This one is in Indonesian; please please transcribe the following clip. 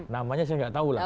namanya saya nggak tahu lah